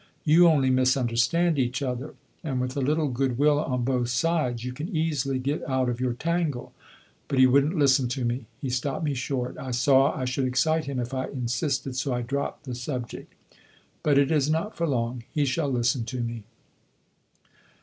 You only misunderstand each other, and with a little good will on both sides you can easily get out of your tangle.' But he would n't listen to me; he stopped me short. I saw I should excite him if I insisted; so I dropped the subject. But it is not for long; he shall listen to me."